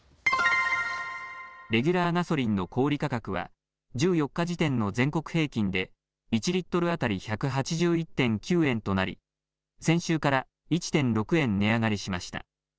レギュラーガソリンの小売価格は１４日時点の全国平均で１リットル当たり１８１．９円となり先週から１．６円値上がりしました。